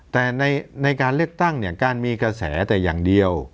แต่ในการเลือกตั้งเนี่ยการมีกระแสแต่อย่างเดียว